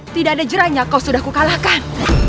tidak ada jerahnya kau sudah kukalahkan